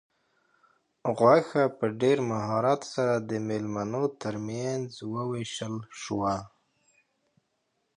غوښه په ډېر مهارت سره د مېلمنو تر منځ وویشل شوه.